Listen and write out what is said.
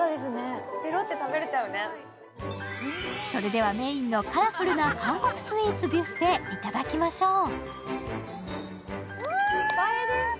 それではメインのカラフルな韓国スイーツビュッフェ、頂きましょう。